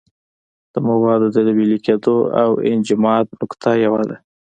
د موادو د ویلې کېدو او انجماد نقطه یوه ده.